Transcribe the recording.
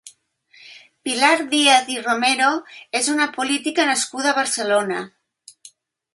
Pilar Díaz i Romero és una política nascuda a Barcelona.